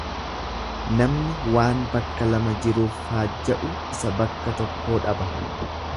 Namni waan bakka lama jiruuf faajja'u isa bakka tokkoo dhaba.